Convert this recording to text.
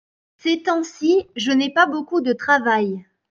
Ces temps-ci je n’ai pas beaucoup de travail.